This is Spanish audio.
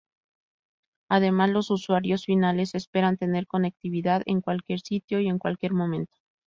Además, los usuarios finales esperan tener conectividad en cualquier sitio y en cualquier momento.